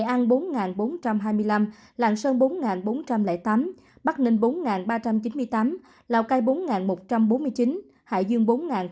an bốn bốn trăm hai mươi năm làng sơn bốn bốn trăm linh tám bắc ninh bốn ba trăm chín mươi tám lào cai bốn một trăm bốn mươi chín hải dương bốn ba mươi bốn